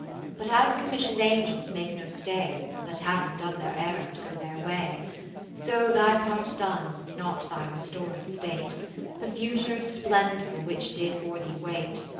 50 But as commission'd angels make no stay, But having done their errand go their way :| (513) Ll So thy part done, not thy restored state. The future splendour which did for thee wait.